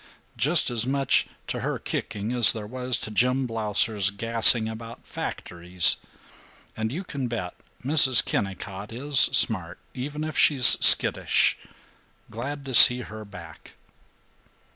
Just as much to her kicking as there was to Jim Blausser's gassing about factories. And you can bet Mrs. Kennicott is smart, even if she is skittish. Glad to see her back."